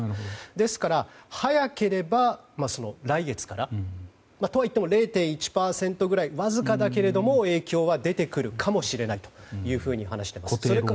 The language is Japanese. ですから、早ければ来月からとはいっても、０．１％ぐらいわずかだけれども影響は出てくるかもしれないと話しています。